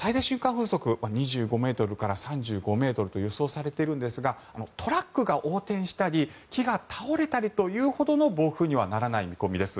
風速は２５ｍから３５ｍと予想されているんですがトラックが横転したり木が倒れたりというほどの暴風にはならない見込みです。